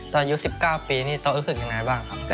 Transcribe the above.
ตอน๑๙ปีนี้โต๊ะรู้สึกอย่างไรบ้างครับ